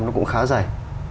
nó cũng khá dày